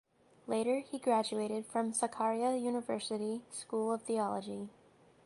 Later he graduated from Sakarya University School of Theology.